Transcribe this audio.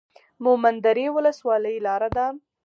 مومند درې ولسوالۍ لاره ده؟